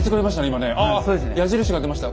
矢印が出ました。